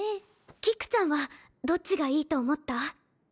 菊ちゃんはどっちがいいと思った？